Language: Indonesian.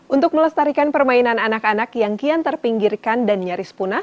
untuk melestarikan permainan anak anak yang kian terpinggirkan dan nyaris punah